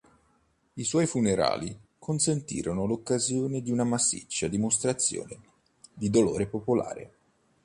I suoi funerali consentirono l'occasione di una massiccia dimostrazione di dolore popolare.